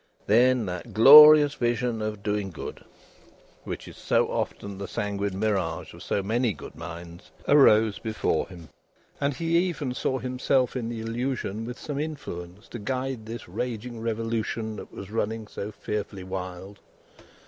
Then, that glorious vision of doing good, which is so often the sanguine mirage of so many good minds, arose before him, and he even saw himself in the illusion with some influence to guide this raging Revolution that was running so fearfully wild.